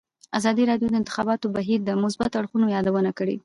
ازادي راډیو د د انتخاباتو بهیر د مثبتو اړخونو یادونه کړې.